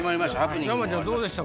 山ちゃんどうでした？